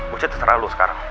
gue cek seterah lo sekarang